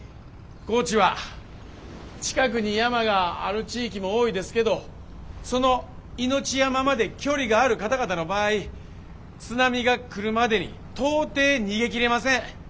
高知は近くに山がある地域も多いですけどそのいのち山まで距離がある方々の場合津波が来るまでに到底逃げきれません。